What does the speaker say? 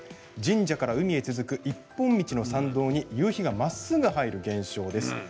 神社から海に続く一本道の参道に夕日がまっすぐ入る現象です。